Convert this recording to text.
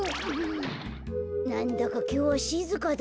なんだかきょうはしずかだなあ。